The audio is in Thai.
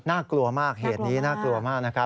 น่ากลัวมากเหตุนี้น่ากลัวมากนะครับ